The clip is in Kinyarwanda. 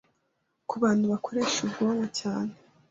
Ku bantu bakoresha ubwonko cyane,